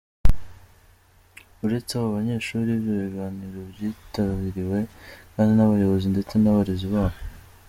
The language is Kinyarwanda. Uretse abo banyeshuri, ibyo biganiro byitabiriwe kandi n’abayobozi ndetse n’abarezi babo.